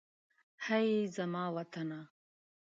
هئ! زما وطنه.